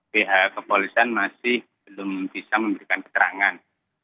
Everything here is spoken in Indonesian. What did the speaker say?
pihak kepolisian masih belum bisa memberikan keterangan